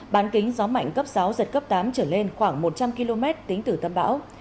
bán kính gió mạnh cấp sáu giật cấp tám trở lên khoảng một trăm linh km tính từ tâm bão